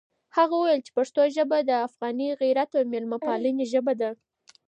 هغه وویل چې پښتو ژبه د افغاني غیرت او مېلمه پالنې ژبه ده.